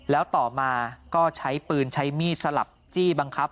แล้วต่อมาก็ใช้ปืนใช้มีดสลับจี้บังคับ